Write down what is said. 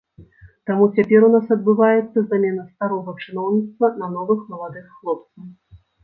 Таму цяпер у нас адбываецца замена старога чыноўніцтва на новых маладых хлопцаў.